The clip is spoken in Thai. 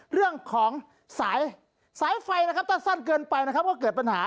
เรื่องของสายสายไฟนะครับถ้าสั้นเกินไปนะครับว่าเกิดปัญหา